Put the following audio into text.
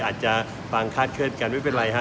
อาจจะฟังคาดเคลื่อนกันไม่เป็นไรฮะ